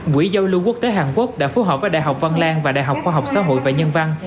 quỹ giao lưu quốc tế hàn quốc đã phối hợp với đại học văn lan và đại học khoa học xã hội và nhân văn